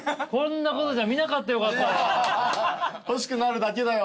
欲しくなるだけだよ。